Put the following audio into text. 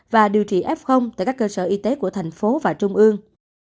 và điều trị f tại các cơ sở y tế của thành phố và trung ương